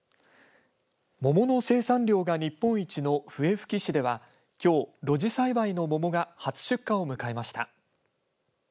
桃の生産量が日本一の笛吹市ではきょう露地栽培の桃が初出荷を迎えました。